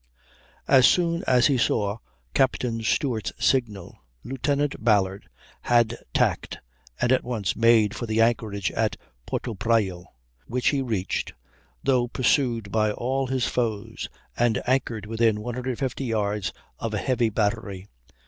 As soon as he saw Captain Stewart's signal, Lieutenant Ballard had tacked, and at once made for the anchorage at Porto Prayo, which he reached, though pursued by all his foes, and anchored within 150 yards of a heavy battery.